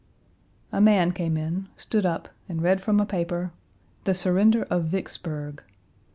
A man came in, stood up, and read from a paper, "The surrender of Vicksburg."